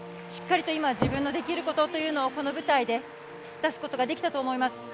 しっかりと自分の今できることをこの舞台で出すことができたと思います。